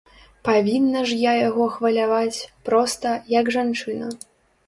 Павінна ж я яго хваляваць, проста, як жанчына.